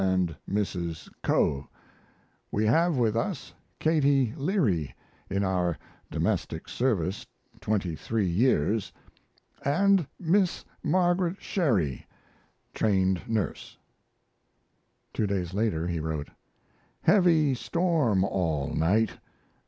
We have with us Katie Leary (in our domestic service 23 years) & Miss Margaret Sherry (trained nurse). Two days later he wrote: Heavy storm all night.